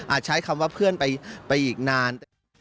ใช้คำว่าเพื่อนไปอีกนาน